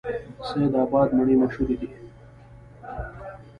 سید اباد مڼې مشهورې دي؟